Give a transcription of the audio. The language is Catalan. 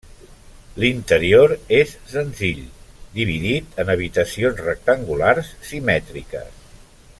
L'interior és senzill, dividit en habitacions rectangulars simètriques.